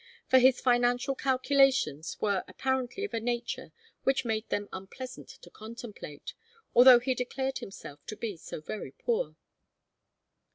For his financial calculations were apparently of a nature which made them pleasant to contemplate, although he declared himself to be so very poor.